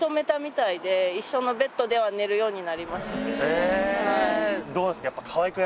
へぇ！